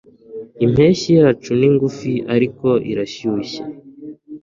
Impeshyi yacu ni ngufi ariko irashyushye